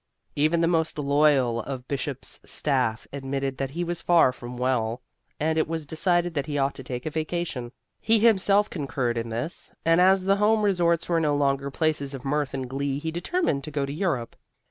Even the most loyal of the Bishop's Staff admitted that he was far from well, and it was decided that he ought to take a vacation. He himself concurred in this, and as the home resorts were no longer places of mirth and glee, he determined to go to Europe.